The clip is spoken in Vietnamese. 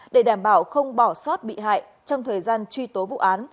để đảm bảo không bỏ sót bị hại trong thời gian truy tố vụ án